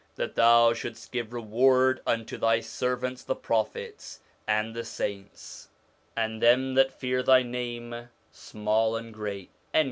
That Thou shouldst give reward unto Thy servants the prophets, and the saints, and them that fear Thy name small and great.'